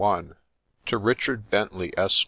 TO RICHARD BENTLEY, ESQ.